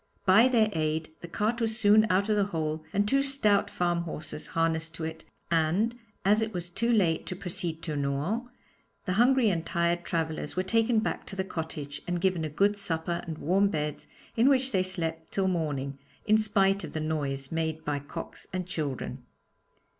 By their aid, the cart was soon out of the hole and two stout farm horses harnessed to it, and as it was too late to proceed to Nohant, the hungry and tired travellers were taken back to the cottage, and given a good supper and warm beds, in which they slept till morning, in spite of the noise made by cocks and children.